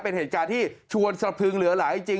เป็นเหตุการณ์ที่ชวนสะพึงเหลือหลายจริง